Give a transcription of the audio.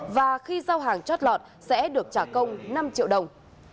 và khi giao hàng chót lọt sẽ được trả công năm triệu đồng